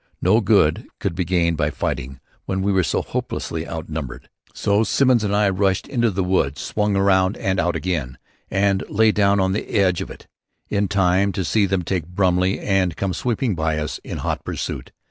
No good could be gained by fighting when we were so hopelessly outnumbered, so Simmons and I rushed into the wood, swung around and out again and lay down on the edge of it, in time to see them take Brumley and come sweeping by us in hot pursuit.